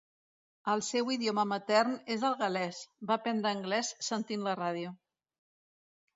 El seu idioma matern és el gal·lès; va aprendre l'anglès sentint la ràdio.